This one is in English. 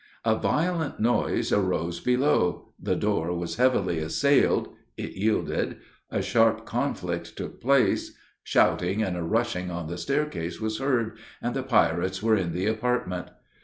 A violent noise arose below the door was heavily assailed it yielded a sharp conflict took place shouting and a rushing on the stair case was heard, and the pirates were in the apartment.